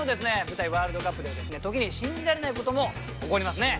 舞台ワールドカップではですね時に信じられないことも起こりますね。